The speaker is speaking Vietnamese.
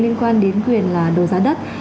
liên quan đến quyền là đấu giá đất